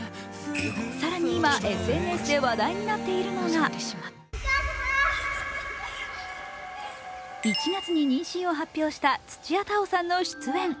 更に今、ＳＮＳで話題になっているのが１月に妊娠を発表した土屋太鳳さんの出演。